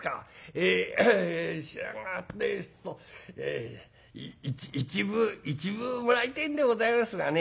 え品川ですと一分一分もらいてえんでございますがね」。